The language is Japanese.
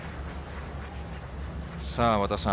さあ、和田さん